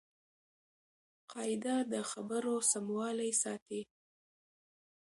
قاعده د خبرو سموالی ساتي.